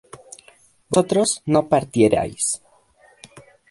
vosotros no partierais